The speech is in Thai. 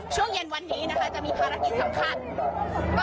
ช่วงเย็นวันนี้นะคะจะมีภารกิจสำคัญ